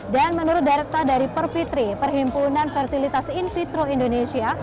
dan menurut data dari perfitri perhimpunan fertilitas in vitro indonesia